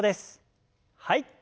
はい。